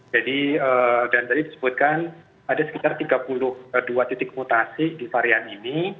jadi dan tadi disebutkan ada sekitar tiga puluh dua titik mutasi di varian ini